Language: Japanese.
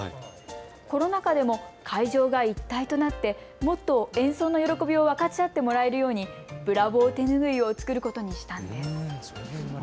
コロナ禍でも会場が一体となってもっと演奏の喜びを分かち合ってもらえるようにブラボー手拭いを作ることにしたんです。